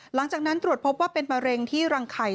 หลังจากนั้นตรวจพบว่าเป็นมะเร็งที่รังไข่